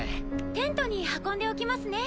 テントに運んでおきますね。